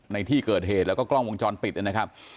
ในที่เกิดเหตุแล้วก็กล้องวงจรปิดนะครับ